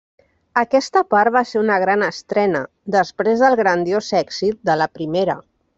Aquesta part va ser una gran estrena, després del grandiós èxit de la primera.